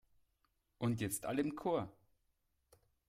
Und jetzt alle im Chor!